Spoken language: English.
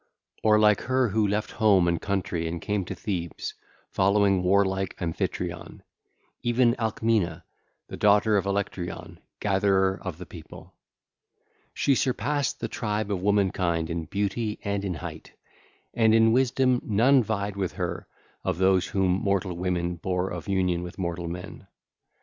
1 27) Or like her who left home and country and came to Thebes, following warlike Amphitryon,—even Alcmena, the daughter of Electyron, gatherer of the people. She surpassed the tribe of womankind in beauty and in height; and in wisdom none vied with her of those whom mortal women bare of union with mortal men.